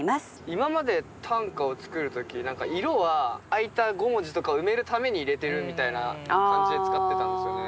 今まで短歌を作る時何か色は空いた５文字とかを埋めるために入れてるみたいな感じで使ってたんですよね。